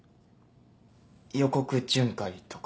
予告巡回とか。